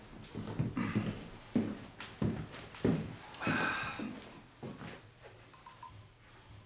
ああ。